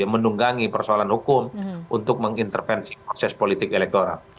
menunggangi persoalan hukum untuk mengintervensi proses politik elektoral